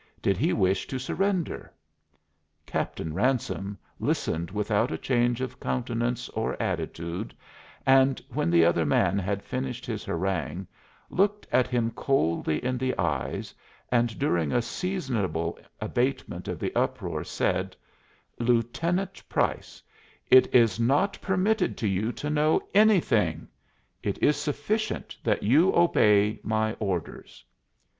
Did he wish to surrender? Captain Ransome listened without a change of countenance or attitude, and when the other man had finished his harangue, looked him coldly in the eyes and during a seasonable abatement of the uproar said: "Lieutenant Price, it is not permitted to you to know anything. It is sufficient that you obey my orders."